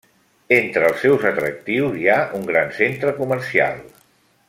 Entre els seus atractius hi ha un gran centre comercial.